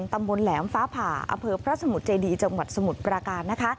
ตำบลแหลมฟ้าผ่าอำเภอพระสมุทรเจดีจังหวัดสมุทรปราการนะคะ